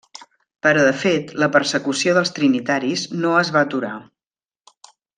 Però de fet la persecució dels trinitaris no es va aturar.